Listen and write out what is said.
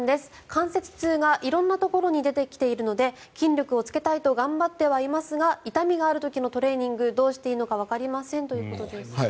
関節痛が色んなところに出てきているので筋力をつけたいと頑張ってはいますが痛みがある時のトレーニングどうしていいのかわかりませんということです。